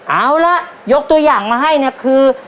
เอาล่ะยกตัวอย่างมาให้เนี่ยคือ